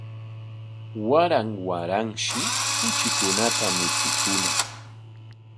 Waran waranshi kuchikunata michikuñaq